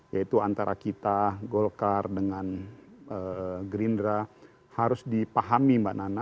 yaitu antara kita golkar dengan gerindra harus dipahami mbak nana